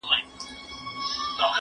سبزیجات وچ کړه!.